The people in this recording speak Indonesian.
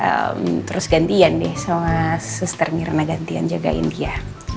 eem terus gantian deh sama sister mirna gantian jagain dia